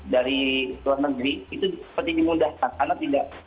dari luar negeri itu seperti dimudahkan karena tidak